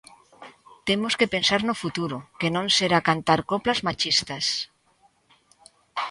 Temos que pensar no futuro, que non será cantar coplas machistas.